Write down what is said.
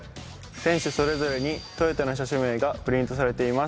選手それぞれにトヨタの車種名がプリントされています。